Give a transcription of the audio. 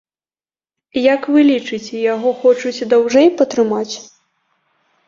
Як вы лічыце, яго хочуць даўжэй патрымаць?